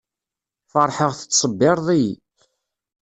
Feṛḥeɣ tettṣebbiṛeḍ-iyi.